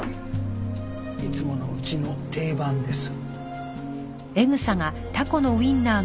いつものうちの定番です。